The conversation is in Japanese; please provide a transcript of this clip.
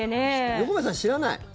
横山さん、知らない？